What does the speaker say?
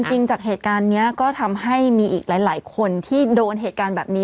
จริงจากเหตุการณ์นี้ก็ทำให้มีอีกหลายคนที่โดนเหตุการณ์แบบนี้